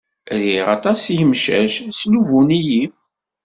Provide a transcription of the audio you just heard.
Riɣ aṭas imcac. Sslubuyen-iyi.